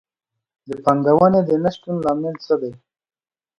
د پانګونې د نه شتون لامل څه دی؟